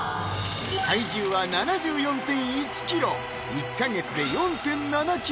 体重は７４．１ｋｇ１か月で４．７ｋｇ